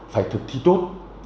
phải thực thi tốt